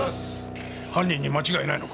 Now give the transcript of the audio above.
犯人に間違いないのか？